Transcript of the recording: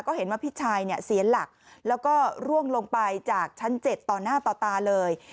ก็เห็นว่าพี่ชายเนี่ยเสียหลักแล้วก็ร่วงลงไปจากชั้น๗ต่อหน้าต่อตาเลย